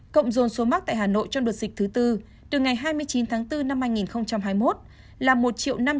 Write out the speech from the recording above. cộng dồn số mắc tại hà nội trong đợt dịch thứ tư từ ngày hai mươi chín tháng bốn năm hai nghìn hai mươi một là một năm trăm bốn mươi hai một trăm chín mươi bốn ca